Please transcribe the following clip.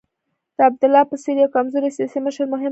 د عبدالله په څېر یو کمزوری سیاسي مشر مهم نه دی.